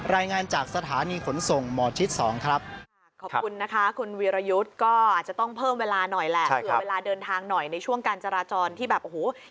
รายงานจากสถานีขนส่งหมอทิศ๒ครับ